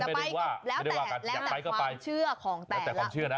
แล้วแต่ความเชื่อของแต่ละคน